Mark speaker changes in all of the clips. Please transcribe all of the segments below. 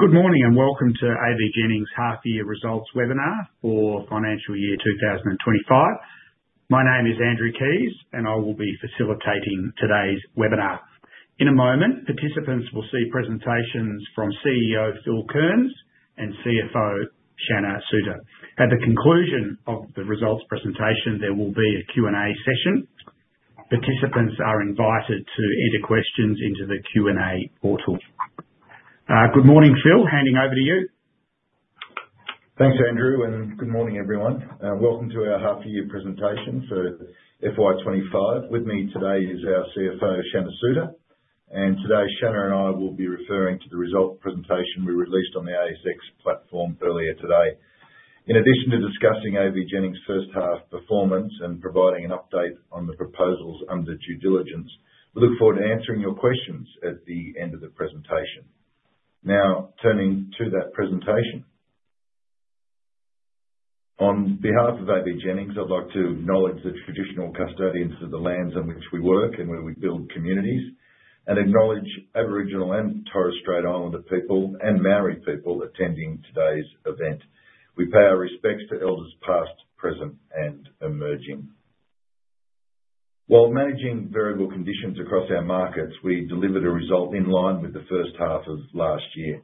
Speaker 1: Good morning and welcome to AVJennings Half-Year Results Webinar for financial year 2025. My name is Andrew Keys, and I will be facilitating today's webinar. In a moment, participants will see presentations from CEO Phil Kearns and CFO Shanna Souter. At the conclusion of the results presentation, there will be a Q&A session. Participants are invited to enter questions into the Q&A portal. Good morning, Phil. Handing over to you.
Speaker 2: Thanks, Andrew, and good morning, everyone. Welcome to our half-year presentation for FY2025. With me today is our CFO, Shanna Souter. Today, Shanna and I will be referring to the result presentation we released on the ASX platform earlier today. In addition to discussing AVJennings' first-half performance and providing an update on the proposals under due diligence, we look forward to answering your questions at the end of the presentation. Now, turning to that presentation. On behalf of AVJennings, I'd like to acknowledge the traditional custodians of the lands on which we work and where we build communities, and acknowledge Aboriginal and Torres Strait Islander people and Māori people attending today's event. We pay our respects to elders past, present, and emerging. While managing variable conditions across our markets, we delivered a result in line with the first half of last year.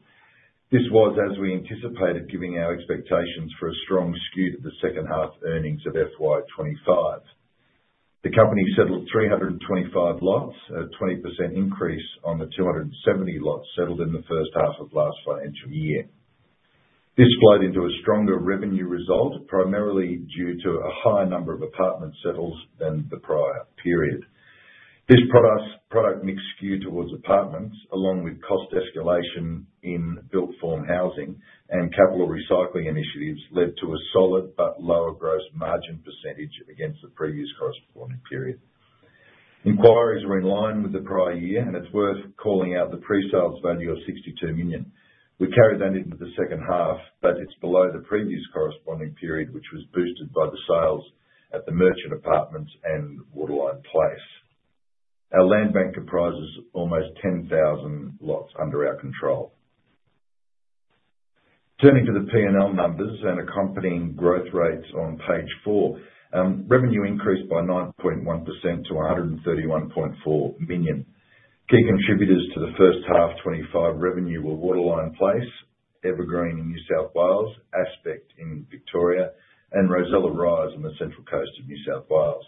Speaker 2: This was, as we anticipated, giving our expectations for a strong skew to the second-half earnings of FY2025. The company settled 325 lots, a 20% increase on the 270 lots settled in the first half of last financial year. This flowed into a stronger revenue result, primarily due to a higher number of apartment sales than the prior period. This product mix skewed towards apartments, along with cost escalation in built-form housing and capital recycling initiatives, led to a solid but lower gross margin percentage against the previous corresponding period. Inquiries were in line with the prior year, and it's worth calling out the pre-sales value of 62 million. We carried that into the second half, but it's below the previous corresponding period, which was boosted by the sales at the Merchant Apartments and Waterline Place. Our land bank comprises almost 10,000 lots under our control. Turning to the P&L numbers and accompanying growth rates on page four, revenue increased by 9.1% to 131.4 million. Key contributors to the first half 2025 revenue were Waterline Place, Evergreen in New South Wales, Aspect in Victoria, and Rosella Rise on the Central Coast of New South Wales.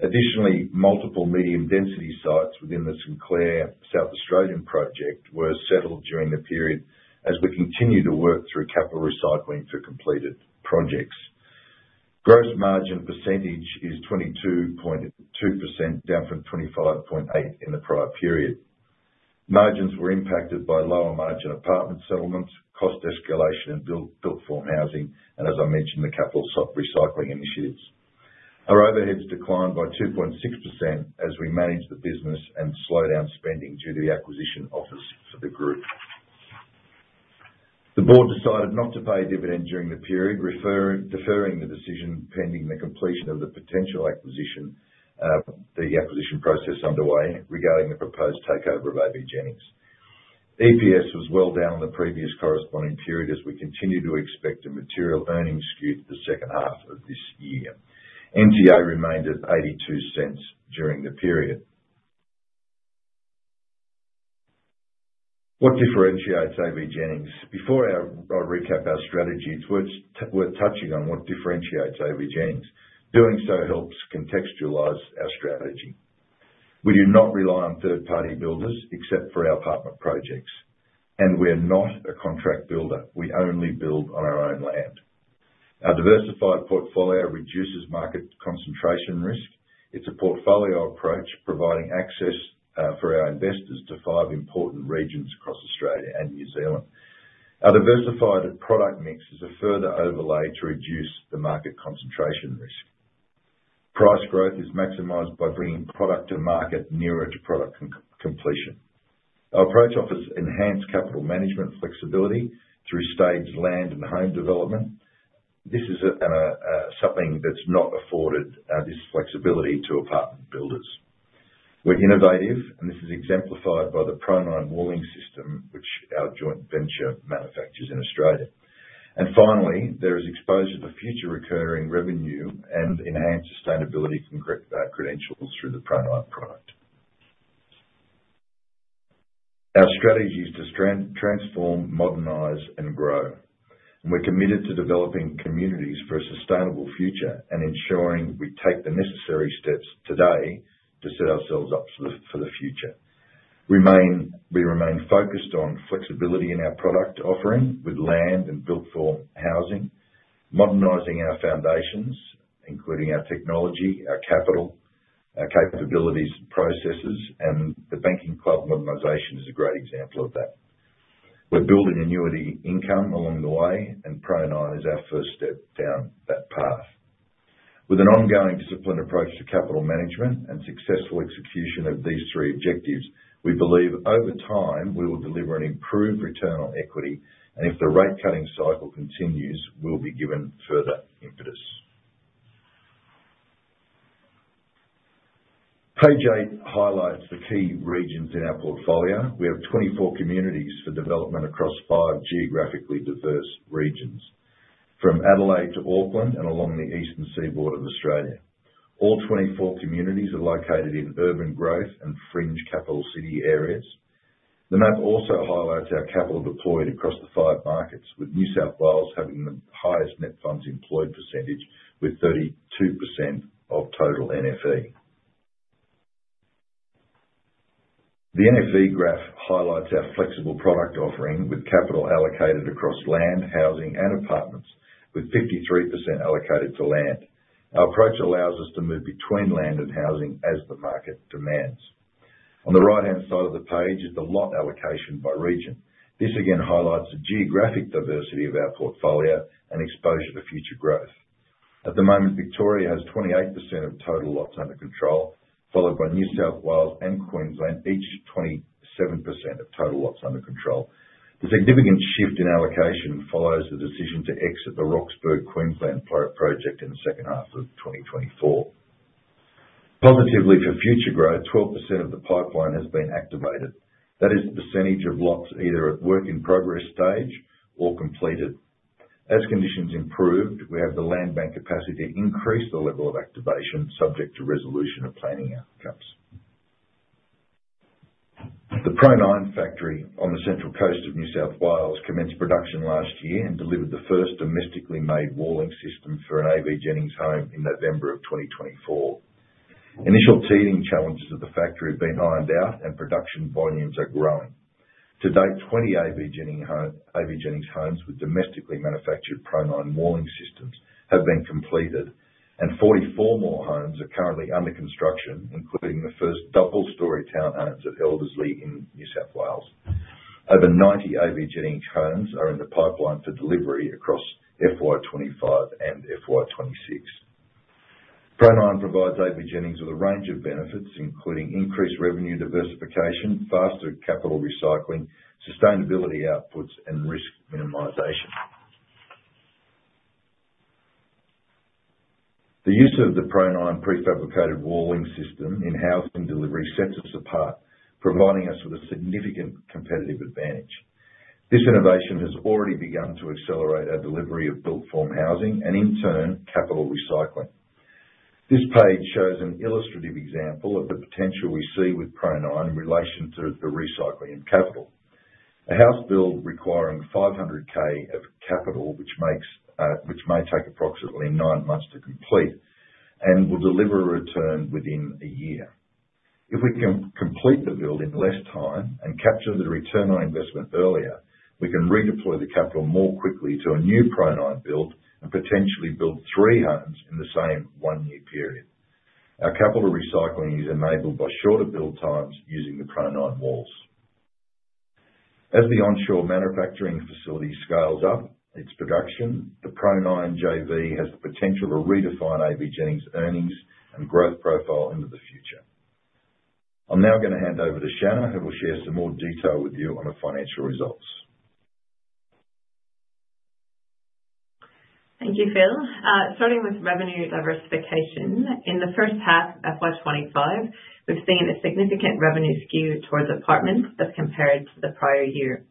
Speaker 2: Additionally, multiple medium-density sites within the St Clair South Australian project were settled during the period as we continue to work through capital recycling for completed projects. Gross margin percentage is 22.2%, down from 25.8% in the prior period. Margins were impacted by lower margin apartment settlements, cost escalation, and built-form housing, and as I mentioned, the capital recycling initiatives. Our overheads declined by 2.6% as we manage the business and slow down spending due to the acquisition offers for the group. The board decided not to pay dividends during the period, deferring the decision pending the completion of the potential acquisition, the acquisition process underway regarding the proposed takeover of AVJennings. EPS was well down on the previous corresponding period as we continue to expect a material earnings skew to the second half of this year. NTA remained at 0.82 during the period. What differentiates AVJennings? Before I recap our strategy, it's worth touching on what differentiates AVJennings. Doing so helps contextualize our strategy. We do not rely on third-party builders except for our apartment projects, and we're not a contract builder. We only build on our own land. Our diversified portfolio reduces market concentration risk. It's a portfolio approach providing access for our investors to five important regions across Australia and New Zealand. Our diversified product mix is a further overlay to reduce the market concentration risk. Price growth is maximized by bringing product to market nearer to product completion. Our approach offers enhanced capital management flexibility through staged land and home development. This is something that's not afforded this flexibility to apartment builders. We're innovative, and this is exemplified by the Pro9 walling system, which our joint venture manufactures in Australia. Finally, there is exposure to future recurring revenue and enhanced sustainability credentials through the Pro9 product. Our strategy is to transform, modernize, and grow. We're committed to developing communities for a sustainable future and ensuring we take the necessary steps today to set ourselves up for the future. We remain focused on flexibility in our product offering with land and built-form housing, modernizing our foundations, including our technology, our capital, our capabilities, and processes, and the banking club modernization is a great example of that. We're building annuity income along the way, and Pro9 is our first step down that path. With an ongoing disciplined approach to capital management and successful execution of these three objectives, we believe over time we will deliver an improved return on equity, and if the rate-cutting cycle continues, we'll be given further impetus. Page eight highlights the key regions in our portfolio. We have 24 communities for development across five geographically diverse regions, from Adelaide to Auckland and along the eastern seaboard of Australia. All 24 communities are located in urban growth and fringe capital city areas. The map also highlights our capital deployed across the five markets, with New South Wales having the highest net funds employed percentage with 32% of total NFE. The NFE graph highlights our flexible product offering with capital allocated across land, housing, and apartments, with 53% allocated to land. Our approach allows us to move between land and housing as the market demands. On the right-hand side of the page is the lot allocation by region. This again highlights the geographic diversity of our portfolio and exposure to future growth. At the moment, Victoria has 28% of total lots under control, followed by New South Wales and Queensland, each 27% of total lots under control. The significant shift in allocation follows the decision to exit the Rochedale project in the second half of 2024. Positively for future growth, 12% of the pipeline has been activated. That is the percentage of lots either at work in progress stage or completed. As conditions improved, we have the land bank capacity to increase the level of activation subject to resolution of planning outcomes. The Pro9 factory on the Central Coast of New South Wales commenced production last year and delivered the first domestically made walling system for an AVJennings home in November of 2024. Initial teething challenges of the factory have been ironed out, and production volumes are growing. To date, 20 AVJennings homes with domestically manufactured Pro9 walling systems have been completed, and 44 more homes are currently under construction, including the first double-story townhomes at Elderslie in New South Wales. Over 90 AVJennings homes are in the pipeline for delivery across FY25 and FY26. Pro9 provides AVJennings with a range of benefits, including increased revenue diversification, faster capital recycling, sustainability outputs, and risk minimization. The use of the Pro9 prefabricated walling system in housing delivery sets us apart, providing us with a significant competitive advantage. This innovation has already begun to accelerate our delivery of built-form housing and, in turn, capital recycling. This page shows an illustrative example of the potential we see with Pro9 in relation to the recycling of capital. A house build requiring 500,000 of capital, which may take approximately nine months to complete, and will deliver a return within a year. If we can complete the build in less time and capture the return on investment earlier, we can redeploy the capital more quickly to a new Pro9 build and potentially build three homes in the same one-year period. Our capital recycling is enabled by shorter build times using the Pro9 walls. As the onshore manufacturing facility scales up its production, the Pro9 JV has the potential to redefine AVJennings' earnings and growth profile into the future. I'm now going to hand over to Shanna, who will share some more detail with you on the financial results.
Speaker 3: Thank you, Phil. Starting with revenue diversification, in the first half of FY25, we've seen a significant revenue skew towards apartments as compared to the prior year.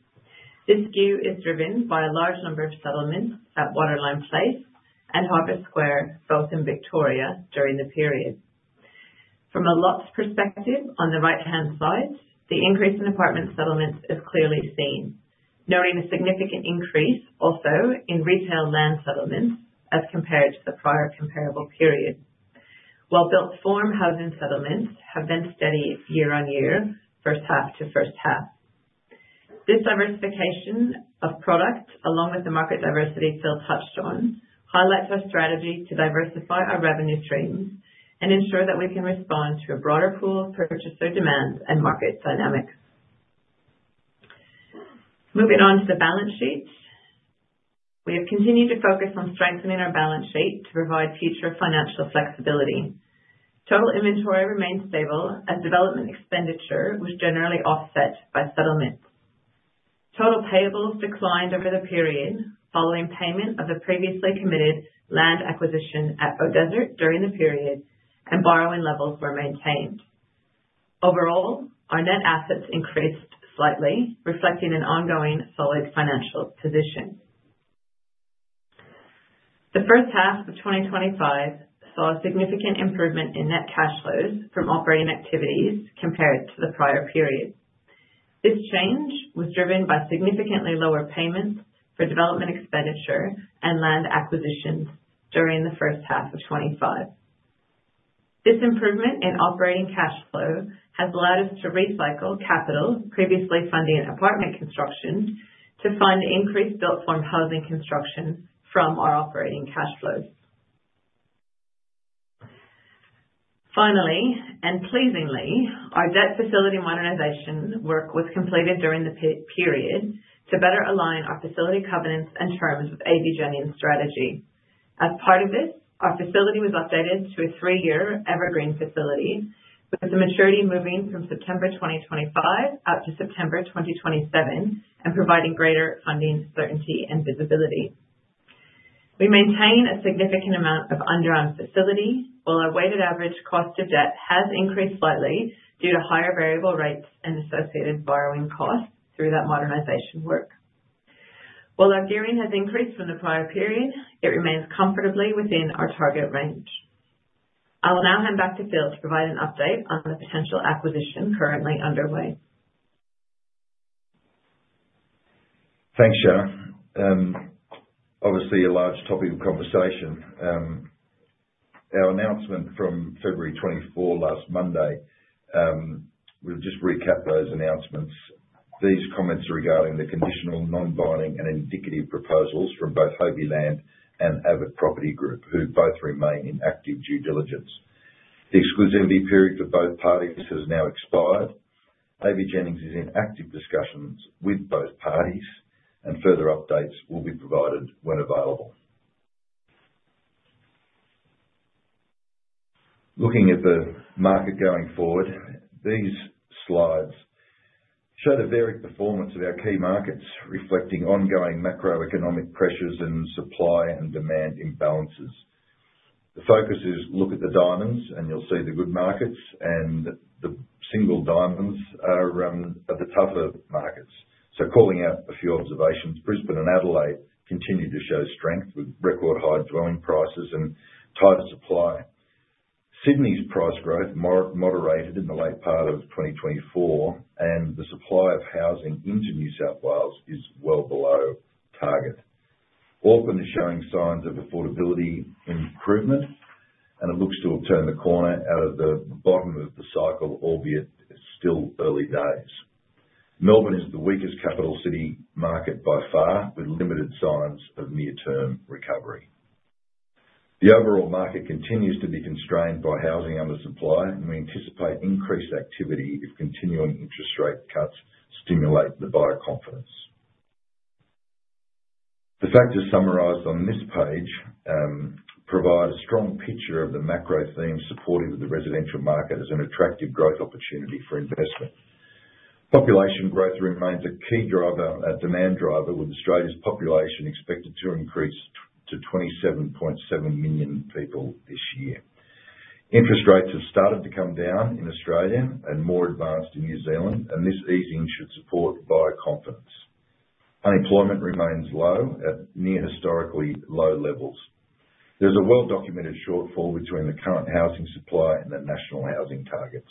Speaker 3: This skew is driven by a large number of settlements at Waterline Place and Harvest Square, both in Victoria during the period. From a lots perspective on the right-hand side, the increase in apartment settlements is clearly seen, noting a significant increase also in retail land settlements as compared to the prior comparable period. While built-form housing settlements have been steady year on year, first half to first half. This diversification of product, along with the market diversity Phil touched on, highlights our strategy to diversify our revenue streams and ensure that we can respond to a broader pool of purchaser demands and market dynamics. Moving on to the balance sheet, we have continued to focus on strengthening our balance sheet to provide future financial flexibility. Total inventory remained stable as development expenditure was generally offset by settlements. Total payables declined over the period following payment of the previously committed land acquisition at Beaudesert during the period, and borrowing levels were maintained. Overall, our net assets increased slightly, reflecting an ongoing solid financial position. The first half of 2025 saw a significant improvement in net cash flows from operating activities compared to the prior period. This change was driven by significantly lower payments for development expenditure and land acquisitions during the first half of 2025. This improvement in operating cash flow has allowed us to recycle capital previously funding apartment construction to fund increased built-form housing construction from our operating cash flows. Finally, and pleasingly, our debt facility modernization work was completed during the period to better align our facility covenants and terms with AVJennings strategy. As part of this, our facility was updated to a three-year evergreen facility, with the maturity moving from September 2025 out to September 2027 and providing greater funding certainty and visibility. We maintain a significant amount of undrawn facility, while our weighted average cost of debt has increased slightly due to higher variable rates and associated borrowing costs through that modernization work. While our gearing has increased from the prior period, it remains comfortably within our target range. I will now hand back to Phil to provide an update on the potential acquisition currently underway.
Speaker 2: Thanks, Shanna. Obviously, a large topic of conversation. Our announcement from February 24, last Monday, we'll just recap those announcements. These comments are regarding the conditional non-binding and indicative proposals from both Ho Bee Land and Avid Property Group, who both remain in active due diligence. The exclusivity period for both parties has now expired. AVJennings is in active discussions with both parties, and further updates will be provided when available. Looking at the market going forward, these slides show the varied performance of our key markets, reflecting ongoing macroeconomic pressures and supply and demand imbalances. The focus is to look at the diamonds, and you'll see the good markets, and the single diamonds are the tougher markets. Calling out a few observations, Brisbane and Adelaide continue to show strength with record-high dwelling prices and tighter supply. Sydney's price growth moderated in the late part of 2024, and the supply of housing into New South Wales is well below target. Auckland is showing signs of affordability improvement, and it looks to have turned the corner out of the bottom of the cycle, albeit still early days. Melbourne is the weakest capital city market by far, with limited signs of near-term recovery. The overall market continues to be constrained by housing under supply, and we anticipate increased activity if continuing interest rate cuts stimulate the buyer confidence. The factors summarized on this page provide a strong picture of the macro themes supported with the residential market as an attractive growth opportunity for investment. Population growth remains a key demand driver, with Australia's population expected to increase to 27.7 million people this year. Interest rates have started to come down in Australia and more advanced in New Zealand, and this easing should support buyer confidence. Unemployment remains low at near historically low levels. There is a well-documented shortfall between the current housing supply and the national housing targets.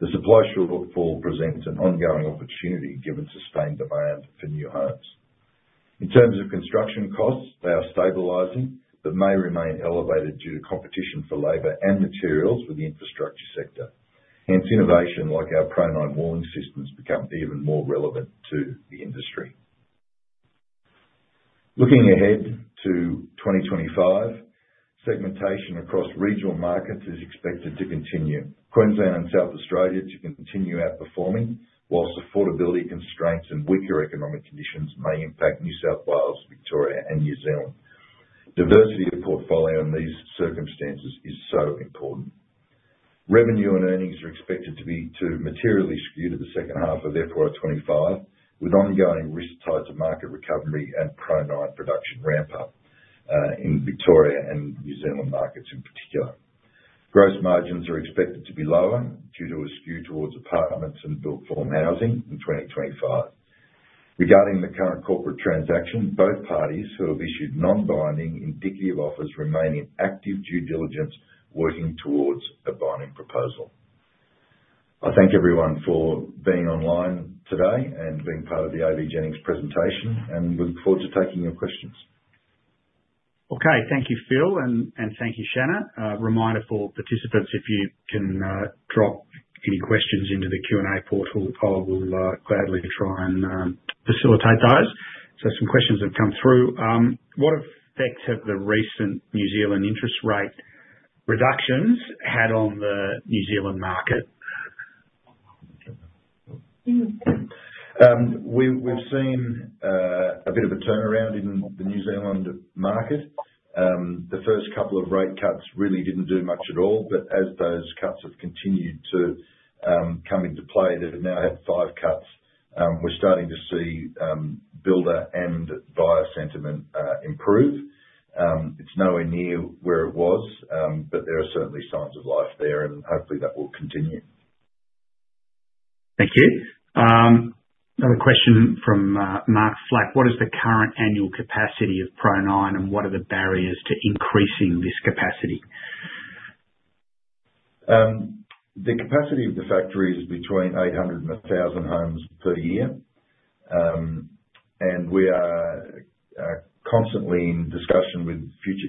Speaker 2: The supply shortfall presents an ongoing opportunity given sustained demand for new homes. In terms of construction costs, they are stabilizing but may remain elevated due to competition for labor and materials with the infrastructure sector. Hence, innovation like our Pro9 walling systems becomes even more relevant to the industry. Looking ahead to 2025, segmentation across regional markets is expected to continue. Queensland and South Australia continue outperforming, whilst affordability constraints and weaker economic conditions may impact New South Wales, Victoria, and New Zealand. Diversity of portfolio in these circumstances is so important. Revenue and earnings are expected to be materially skewed in the second half of FY25, with ongoing risk tied to market recovery and Pro9 production ramp-up in Victoria and New Zealand markets in particular. Gross margins are expected to be lower due to a skew towards apartments and built-form housing in 2025. Regarding the current corporate transaction, both parties who have issued non-binding indicative offers remain in active due diligence working towards a binding proposal. I thank everyone for being online today and being part of the AVJennings presentation, and we look forward to taking your questions.
Speaker 1: Okay, thank you, Phil, and thank you, Shanna. Reminder for participants, if you can drop any questions into the Q&A portal, I will gladly try and facilitate those. Some questions have come through. What effect have the recent New Zealand interest rate reductions had on the New Zealand market?
Speaker 2: We've seen a bit of a turnaround in the New Zealand market. The first couple of rate cuts really didn't do much at all, but as those cuts have continued to come into play, they've now had five cuts. We're starting to see builder and buyer sentiment improve. It's nowhere near where it was, but there are certainly signs of life there, and hopefully that will continue.
Speaker 1: Thank you. Another question from [Mark Slack]. What is the current annual capacity of Pro9, and what are the barriers to increasing this capacity?
Speaker 2: The capacity of the factory is between 800 and 1,000 homes per year, and we are constantly in discussion with future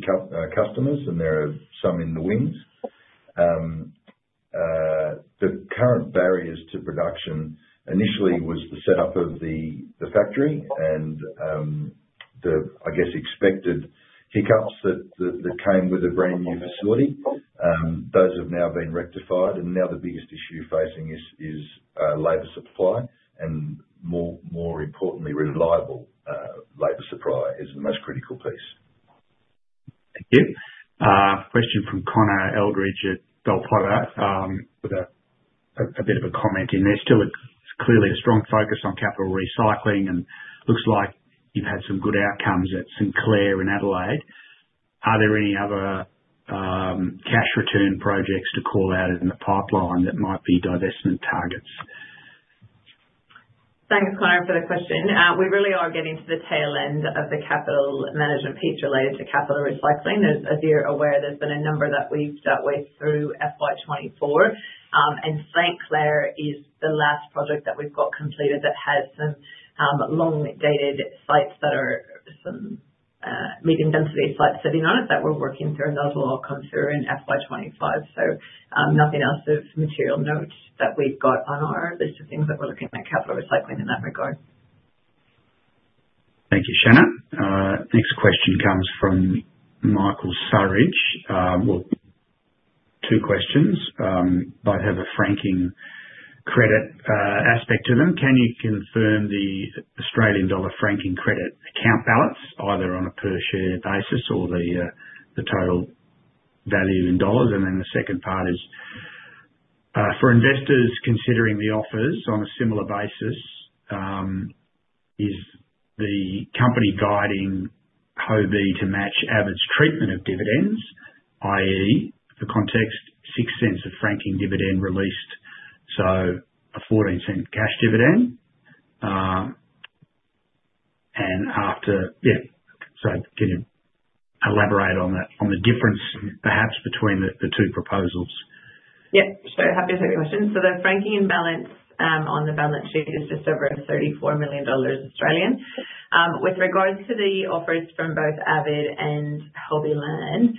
Speaker 2: customers, and there are some in the wings. The current barriers to production initially were the setup of the factory and the, I guess, expected hiccups that came with a brand new facility. Those have now been rectified, and now the biggest issue facing us is labor supply, and more importantly, reliable labor supply is the most critical piece.
Speaker 1: Thank you. Question from Connor Eldridge at Bell Potter with a bit of a comment in there. Still, it's clearly a strong focus on capital recycling, and it looks like you've had some good outcomes at St Clair in Adelaide. Are there any other cash return projects to call out in the pipeline that might be divestment targets?
Speaker 3: Thanks, Connor, for the question. We really are getting to the tail end of the capital management piece related to capital recycling. As you're aware, there's been a number that we've dealt with through FY24, and St Clair is the last project that we've got completed that has some long-dated sites that are some medium-density sites sitting on it that we're working through, and those will all come through in FY25. Nothing else of material note that we've got on our list of things that we're looking at capital recycling in that regard.
Speaker 1: Thank you, Shanna. Next question comes from [Michael Surridge]. Two questions. They both have a franking credit aspect to them. Can you confirm the Australian dollar franking credit account balance, either on a per-share basis or the total value in dollars? The second part is, for investors considering the offers on a similar basis, is the company guiding Ho Bee Land to match Avid Property Group's treatment of dividends, i.e., in the context of $0.06 of franking dividend released, so a $0.14 cash dividend? After, yeah, can you elaborate on the difference perhaps between the two proposals?
Speaker 3: Yep, happy to take the question. The franking balance on the balance sheet is just over 34 million Australian dollars. With regards to the offers from both Avid Property Group and Ho Bee Land,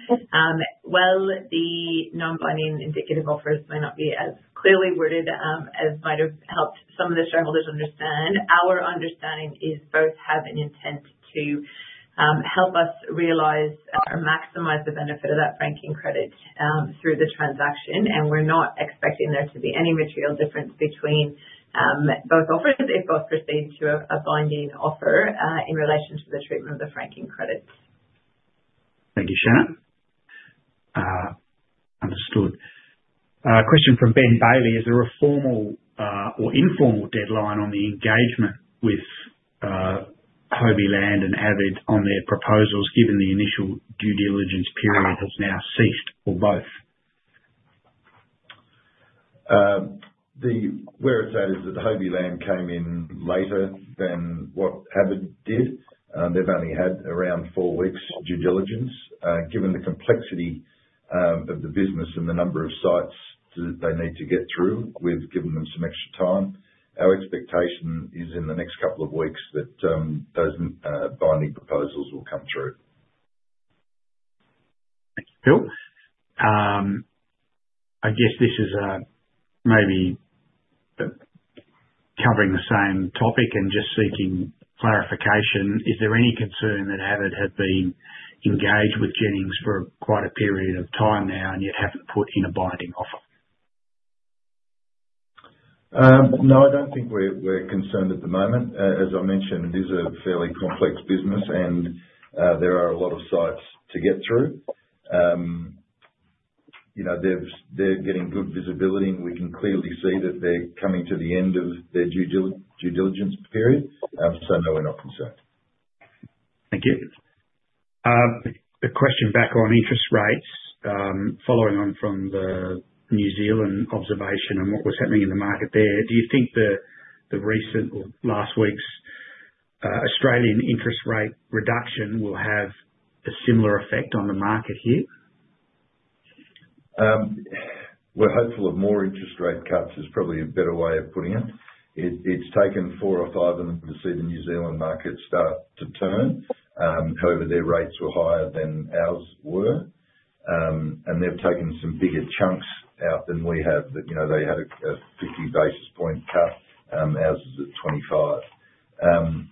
Speaker 3: while the non-binding indicative offers may not be as clearly worded as might have helped some of the shareholders understand, our understanding is both have an intent to help us realize or maximize the benefit of that franking credit through the transaction, and we're not expecting there to be any material difference between both offers if both proceed to a binding offer in relation to the treatment of the franking credit.
Speaker 1: Thank you, Shanna. Understood. Question from [Ben Bailey]. Is there a formal or informal deadline on the engagement with Ho Bee Land and AVID on their proposals, given the initial due diligence period has now ceased for both?
Speaker 2: The where it's at is that Ho Bee Land came in later than what AVID did. They've only had around four weeks due diligence. Given the complexity of the business and the number of sites that they need to get through, we've given them some extra time. Our expectation is in the next couple of weeks that those binding proposals will come through.
Speaker 1: Thank you, Phil. I guess this is maybe covering the same topic and just seeking clarification. Is there any concern that AVID had been engaged with Jennings for quite a period of time now and yet have not put in a binding offer?
Speaker 2: No, I do not think we are concerned at the moment. As I mentioned, it is a fairly complex business, and there are a lot of sites to get through. They are getting good visibility, and we can clearly see that they are coming to the end of their due diligence period. No, we are not concerned.
Speaker 1: Thank you. A question back on interest rates. Following on from the New Zealand observation and what was happening in the market there, do you think the recent or last week's Australian interest rate reduction will have a similar effect on the market here?
Speaker 2: We're hopeful of more interest rate cuts is probably a better way of putting it. It's taken four or five of them to see the New Zealand market start to turn. However, their rates were higher than ours were, and they've taken some bigger chunks out than we have. They had a 50 basis point cut, ours is at 25.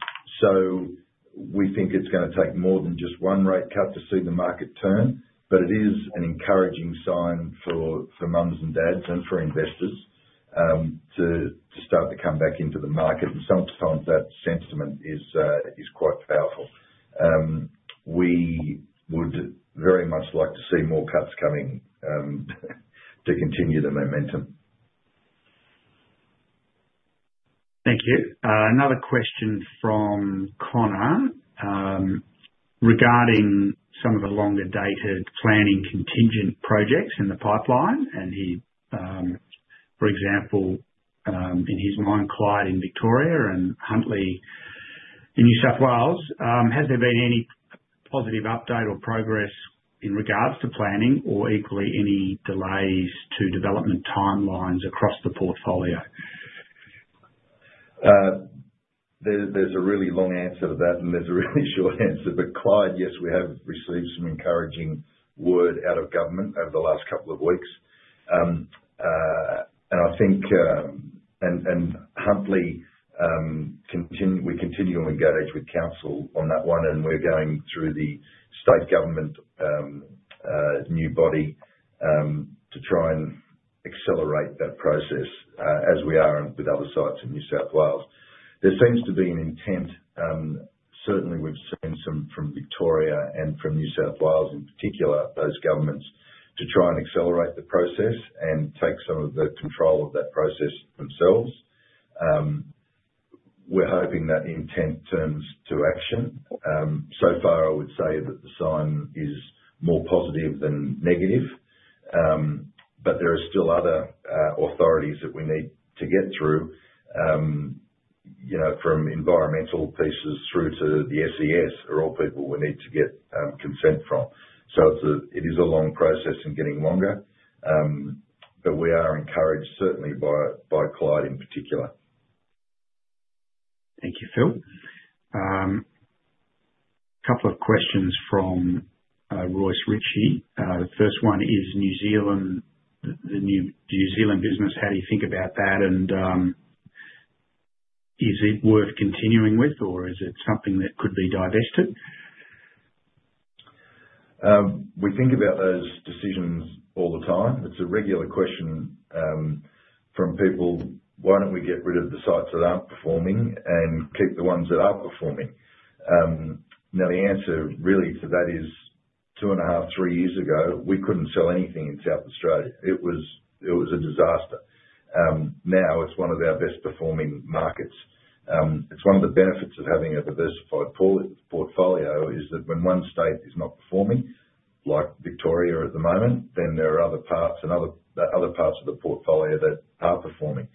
Speaker 2: We think it's going to take more than just one rate cut to see the market turn, but it is an encouraging sign for mums and dads and for investors to start to come back into the market, and sometimes that sentiment is quite powerful. We would very much like to see more cuts coming to continue the momentum.
Speaker 1: Thank you. Another question from Connor regarding some of the longer-dated planning contingent projects in the pipeline, and for example, in his mind, Clyde in Victoria and Huntlee in New South Wales. Has there been any positive update or progress in regards to planning, or equally, any delays to development timelines across the portfolio?
Speaker 2: There's a really long answer to that, and there's a really short answer. Clyde, yes, we have received some encouraging word out of government over the last couple of weeks. I think, and Huntlee, we continue to engage with council on that one, and we're going through the state government new body to try and accelerate that process as we are with other sites in New South Wales. There seems to be an intent. Certainly, we've seen some from Victoria and from New South Wales in particular, those governments, to try and accelerate the process and take some of the control of that process themselves. We're hoping that intent turns to action. I would say that the sign is more positive than negative, but there are still other authorities that we need to get through, from environmental pieces through to the SES, are all people we need to get consent from. It is a long process and getting longer, but we are encouraged certainly by Clyde in particular.
Speaker 1: Thank you, Phil. A couple of questions from Royce Ritchie. The first one is, New Zealand, the New Zealand business, how do you think about that, and is it worth continuing with, or is it something that could be divested?
Speaker 2: We think about those decisions all the time. It's a regular question from people, "Why don't we get rid of the sites that aren't performing and keep the ones that are performing?" Now, the answer really to that is, two and a half, three years ago, we couldn't sell anything in South Australia. It was a disaster. Now it's one of our best-performing markets. It's one of the benefits of having a diversified portfolio is that when one state is not performing, like Victoria at the moment, then there are other parts of the portfolio that are performing.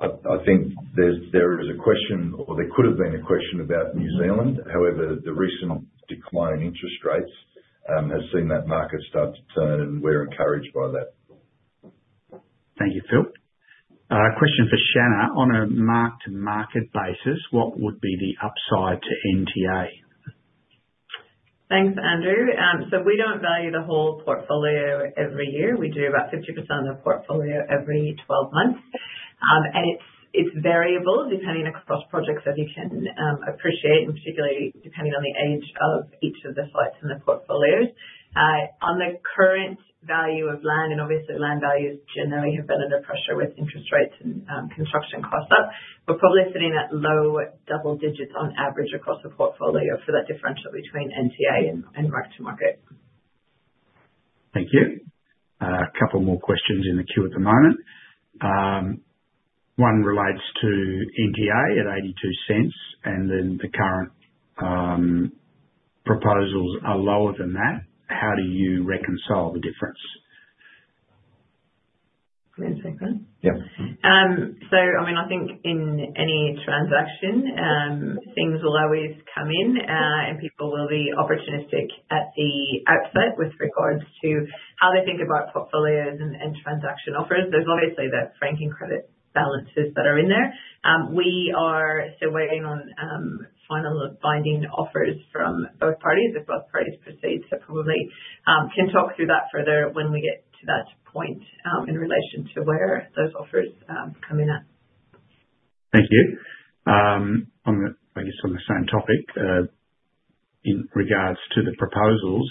Speaker 2: I think there is a question, or there could have been a question about New Zealand. However, the recent decline in interest rates has seen that market start to turn, and we're encouraged by that.
Speaker 1: Thank you, Phil. Question for Shanna. On a mark-to-market basis, what would be the upside to NTA?
Speaker 3: Thanks, Andrew. We don't value the whole portfolio every year. We do about 50% of the portfolio every 12 months, and it's variable depending across projects as you can appreciate, and particularly depending on the age of each of the sites in the portfolios. On the current value of land, and obviously, land values generally have been under pressure with interest rates and construction costs up, we're probably sitting at low double digits on average across the portfolio for that differential between NTA and mark-to-market.
Speaker 1: Thank you. A couple more questions in the queue at the moment. One relates to NTA at $0.82, and then the current proposals are lower than that. How do you reconcile the difference?
Speaker 3: One second.
Speaker 1: Yep.
Speaker 3: I mean, I think in any transaction, things will always come in, and people will be opportunistic at the outset with regards to how they think about portfolios and transaction offers. There are obviously the franking credit balances that are in there. We are still waiting on final binding offers from both parties. If both parties proceed, probably can talk through that further when we get to that point in relation to where those offers come in at.
Speaker 1: Thank you. I guess on the same topic, in regards to the proposals,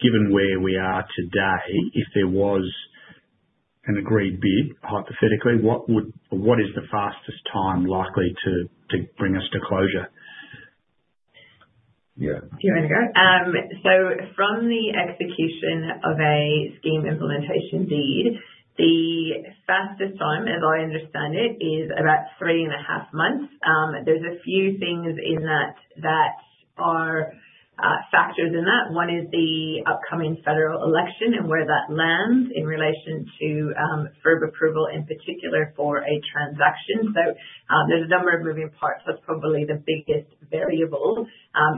Speaker 1: given where we are today, if there was an agreed bid, hypothetically, what is the fastest time likely to bring us to closure?
Speaker 2: Yeah.
Speaker 3: Do you want to go? From the execution of a scheme implementation deed, the fastest time, as I understand it, is about three and a half months. There are a few things in that that are factors in that. One is the upcoming federal election and where that lands in relation to further approval in particular for a transaction. There are a number of moving parts. That is probably the biggest variable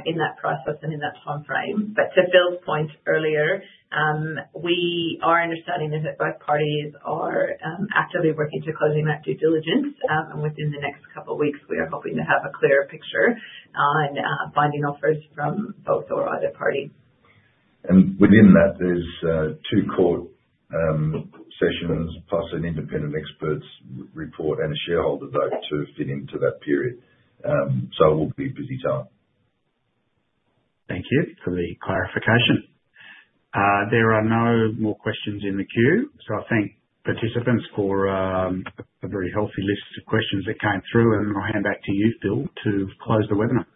Speaker 3: in that process and in that timeframe. To Phil's point earlier, we are understanding that both parties are actively working to close in that due diligence, and within the next couple of weeks, we are hoping to have a clearer picture on binding offers from both or either party.
Speaker 2: Within that, there's two court sessions, plus an independent expert's report and a shareholder vote to fit into that period. It will be a busy time.
Speaker 1: Thank you for the clarification. There are no more questions in the queue, so I thank participants for a very healthy list of questions that came through, and I'll hand back to you, Phil, to close the webinar.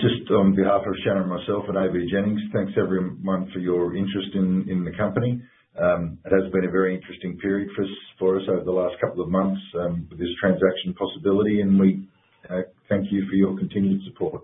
Speaker 2: Just on behalf of Shanna, myself, and AVJennings, thanks everyone for your interest in the company. It has been a very interesting period for us over the last couple of months with this transaction possibility, and we thank you for your continued support.